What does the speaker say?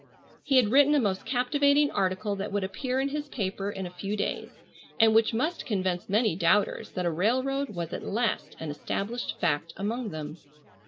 He had written a most captivating article that would appear in his paper in a few days, and which must convince many doubters that a railroad was at last an established fact among them.